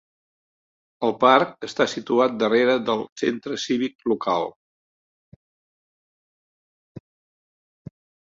El parc està situat darrere del centre cívic local.